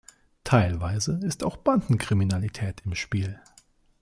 Teilweise ist auch Bandenkriminalität im Spiel.